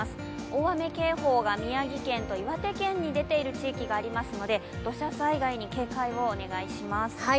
大雨警報が宮城県と岩手県に出ている地域がありますので土砂災害に警戒をお願いします。